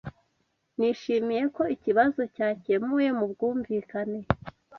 Nishimiye ko ikibazo cyakemuwe mu bwumvikane.